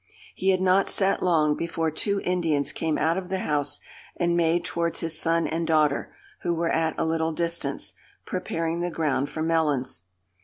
He had not sat long, before two Indians came out of the house, and made towards his son and daughter, who were at a little distance, preparing the ground for melons.